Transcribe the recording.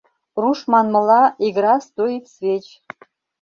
Руш манмыла, игра стоит свеч.